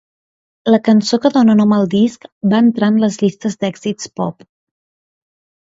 La cançó que dóna nom al disc va entrar en les llistes d'èxits pop.